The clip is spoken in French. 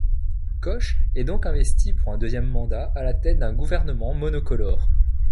Koch est donc investi pour un deuxième mandat à la tête d'un gouvernement monocolore.